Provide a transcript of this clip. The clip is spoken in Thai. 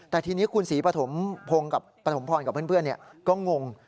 แต่ทีนี้คุณศรีปฐมพรกับเพื่อนก็งง